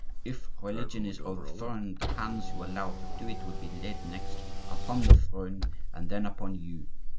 If religion is overthrown, the hands you allow to do it will be laid next upon the throne and then upon you.